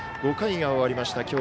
５回が終わりました